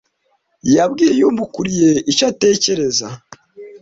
Yabwiye umukuriye icyo atekereza.